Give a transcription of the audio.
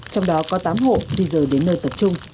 trong đó có tám hộ di rời đến nơi tập trung